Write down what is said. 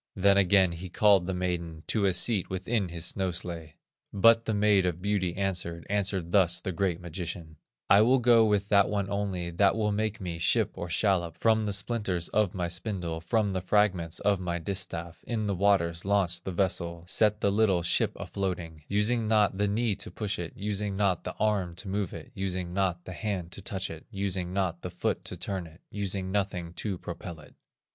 Then again he called the maiden, To a seat within his snow sledge. But the Maid or Beauty answered, Answered thus the great magician: "I will go with that one only That will make me ship or shallop, From the splinters of my spindle, From the fragments of my distaff, In the waters launch the vessel, Set the little ship a floating, Using not the knee to push it, Using not the arm to move it, Using not the hand to touch it, Using not the foot to turn it, Using nothing to propel it."